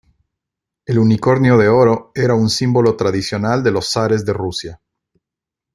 El unicornio de oro era un símbolo tradicional de los zares de Rusia.